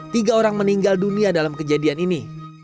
tiga orang meninggal dunia dalam kejadian ini